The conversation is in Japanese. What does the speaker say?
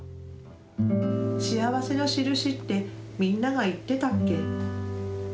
幸せのしるしって、みんなが言ってたっけ。